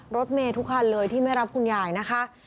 รถเมย์ทุกคันเลยที่ไม่รับคุณยายนะคะ